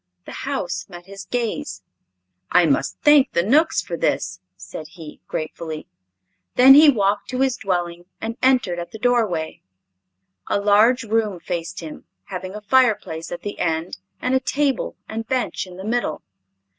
The house met his gaze. "I must thank the Knooks for this," said he, gratefully. Then he walked to his dwelling and entered at the doorway. A large room faced him, having a fireplace at the end and a table and bench in the middle.